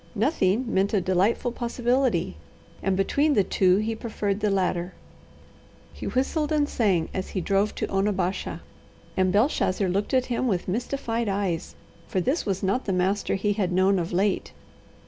Nothing meant a delightful possibility, and between the two he preferred the latter. He whistled and sang as he drove to Onabasha, and Belshazzar looked at him with mystified eyes, for this was not the master he had known of late.